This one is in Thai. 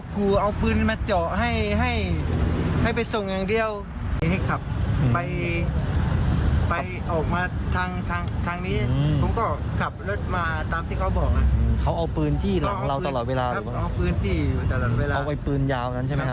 เขาเอาปืนที่หลังกันแล้วตลอดเวลา